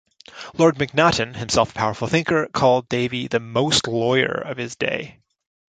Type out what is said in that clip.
Lord MacNaughten, himself a powerful thinker, called Davey the most lawyer of his day.